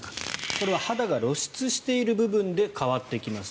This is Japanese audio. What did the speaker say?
これは肌が露出している部分で変わってきます。